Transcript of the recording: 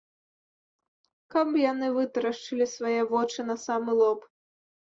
Каб яны вытарашчылі свае вочы на самы лоб!